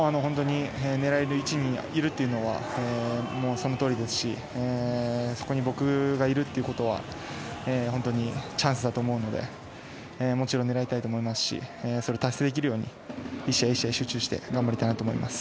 狙える位置にいるというのはそのとおりですしそこに僕がいるということは本当にチャンスだと思うのでもちろん狙いたいと思いますしそれを達成できるように１試合１試合集中して頑張りたいと思います。